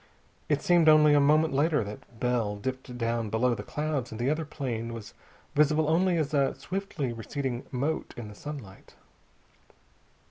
It seemed only a moment later that Bell dipped down below the clouds and the other plane was visible only as a swiftly receding mote in the sunlight.